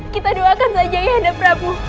kita doakan saja ayah nda prabu